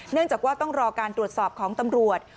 เนื่องจากว่าต้องรอการตรวจสอบของตำรวจ